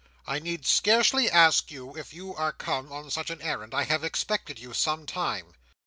I need scarcely ask you if you are come on such an errand. I have expected you some time."